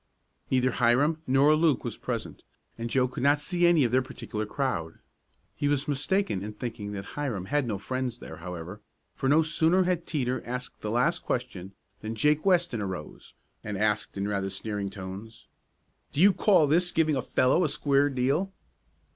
Neither Hiram nor Luke was present, and Joe could not see any of their particular crowd. He was mistaken in thinking that Hiram had no friends there, however, for no sooner had Teeter asked the last question than Jake Weston arose and asked in rather sneering tones: "Do you call this giving a fellow a square deal?"